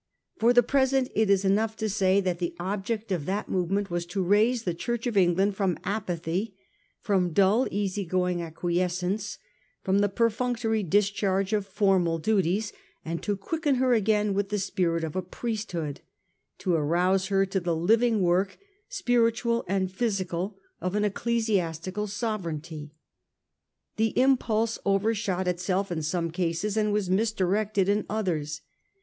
For the present it is enough to say that the object of that movement was to raise the Church of England from apathy, from dull, easy going acquiescence, from the perfunctory discharge of formal duties, and to quicken her again with the spirit of a priesthood, to arouse her to the living work, spiritual and physical, of an ecclesiastical sove reignty. The impulse overshot itself in some cases and was misdirected in others.